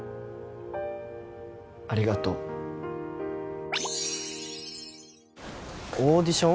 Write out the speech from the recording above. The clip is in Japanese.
ありがとうオーディション？